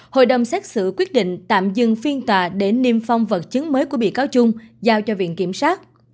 hội đồng xét xử quyết định tạm dừng phiên tòa để niêm phong vật chứng mới của bị cáo chung giao cho viện kiểm sát